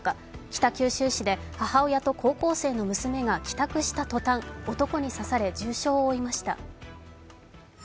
北九州市で母親と高校生の娘が帰宅したとたん、男に刺され、重傷を負いました。